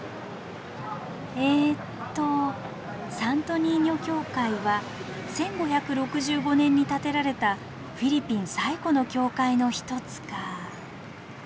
えっと「サント・ニーニョ教会は１５６５年に建てられたフィリピン最古の教会の一つ」か。